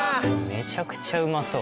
めちゃくちゃうまそう。